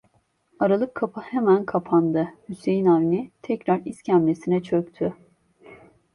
Aralık kapı hemen kapandı, Hüseyin Avni tekrar iskemlesine çöktü.